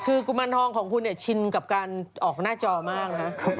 คือกุมมันทองของคุณชินกับการออกหน้าจอมากนะครับ